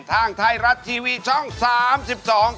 ทางไทยรัดทีวีช่อง๓๒